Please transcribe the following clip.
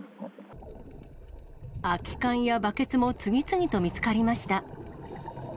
空き缶やバケツも次々と見つかりました。